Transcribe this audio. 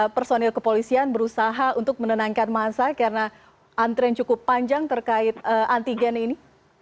personil kepolisian berusaha untuk menenangkan masa karena antrian cukup panjang terkait antigen ini